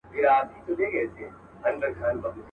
وایم بیا به ګوندي راسي.